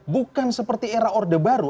bukan seperti era orde baru